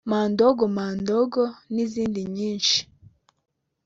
’Mdogo Mdogo’ n’izindi nyinshi